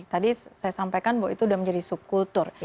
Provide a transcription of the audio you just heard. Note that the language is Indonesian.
tadi saya sampaikan bahwa itu sudah menjadi subkultur